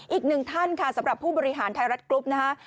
อีกหนึ่งท่านค่ะสำหรับผู้บริหารไทยรัฐกรุ๊ปนะคะ